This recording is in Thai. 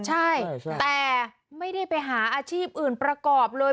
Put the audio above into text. ใช่แต่ไม่ได้ไปหาอาชีพอื่นประกอบเลย